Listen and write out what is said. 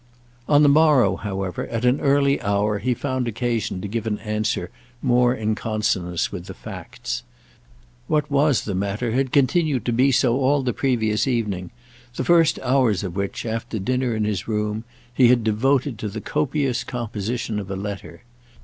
On the morrow, however, at an early hour, he found occasion to give an answer more in consonance with the facts. What was the matter had continued to be so all the previous evening, the first hours of which, after dinner, in his room, he had devoted to the copious composition of a letter.